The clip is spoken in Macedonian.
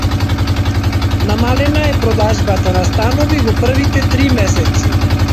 Намалена е продажбата на станови во првите три месеци